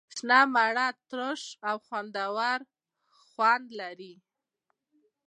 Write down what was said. شنه مڼه ترش او خوندور خوند لري.